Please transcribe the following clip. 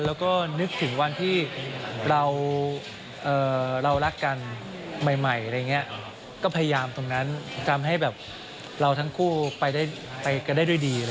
แล้วก็นึกถึงวันที่เรารักกันใหม่อะไรอย่างนี้ก็พยายามตรงนั้นทำให้แบบเราทั้งคู่ไปกันได้ด้วยดี